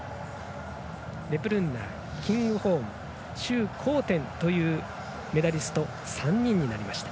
デプルンナー、キングホーン周洪転というメダリスト３人となりました。